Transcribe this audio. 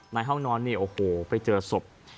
นายเห้านอนเนี่ยโอ้โหไปเจอศพ